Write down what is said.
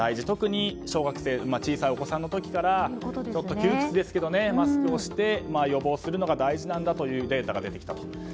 特に小学生小さいお子さんの時からちょっと窮屈ですけどマスクをして予防するのが大事だというデータが出てきたと。